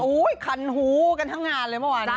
อุ้ยคันหูกันทั้งงานเลยเมื่อวัน